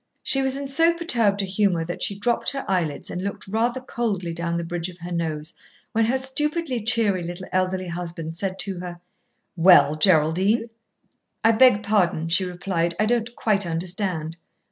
She was in so perturbed a humour that she dropped her eyelids and looked rather coldly down the bridge of her nose when her stupidly cheery little elderly husband said to her, "Well, Geraldine?" "I beg pardon," she replied. "I don't quite understand."